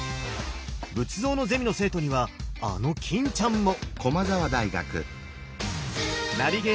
仏像のゼミの生徒にはあの欽ちゃんも！